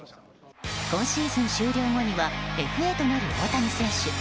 今シーズン終了後にはＦＡとなる大谷選手。